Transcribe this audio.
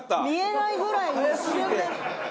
見えないぐらい一瞬で。